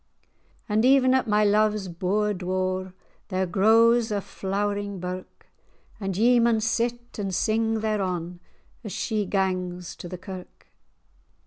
And even at my love's bour door There grows a flowering birk;[#] And ye maun sit and sing thereon As she gangs to the kirk.